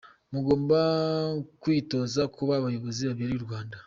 Mugomba kwitoza kuba abayobozi babereye u Rwanda.